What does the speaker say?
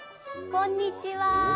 こんにちは。